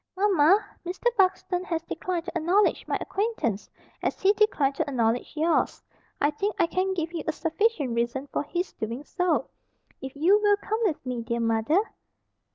"Mamma, Mr. Buxton has declined to acknowledge my acquaintance as he declined to acknowledge yours. I think I can give you a sufficient reason for his doing so, if you will come with me, dear mother."